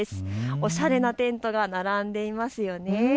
おしゃれなテントが並んでいますよね。